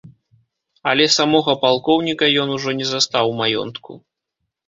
Але самога палкоўніка ён ужо не застаў у маёнтку.